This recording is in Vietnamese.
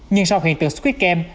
nhưng sau hiện tượng switch game